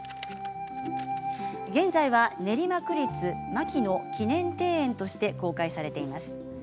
現在は練馬区立牧野記念庭園として公開されています。